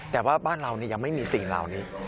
แต่ว่าบ้านเรายังไม่มีสิ่งเหล่านี้